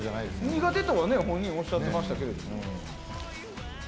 苦手とはおっしゃっていましたけどね。